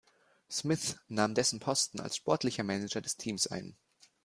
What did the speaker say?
Smith nahm dessen Posten als sportlicher Manager des Teams ein.